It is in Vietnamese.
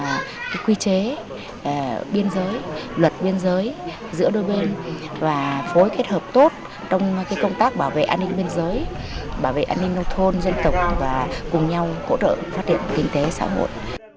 và cũng muốn động viên bà con thực hiện tốt quy chế biên giới luật biên giới giữa đôi bên và phối kết hợp tốt trong công tác bảo vệ an ninh biên giới bảo vệ an ninh nông thôn dân tộc và cùng nhau cố trợ phát triển kinh tế xã hội